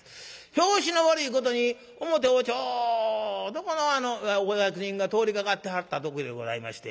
拍子の悪いことに表をちょうどこのお役人が通りかかってはった時でございまして。